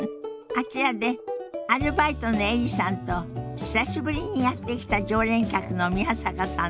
あちらでアルバイトのエリさんと久しぶりにやって来た常連客の宮坂さんのおしゃべりが始まりそうよ。